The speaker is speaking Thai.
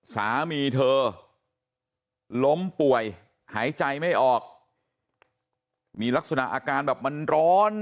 สามีเธอล้มป่วยหายใจไม่ออกมีลักษณะอาการแบบมันร้อน